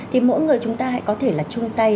thì mỗi người chúng ta hãy có thể là chung tay